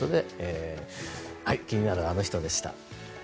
気になるアノ人でした。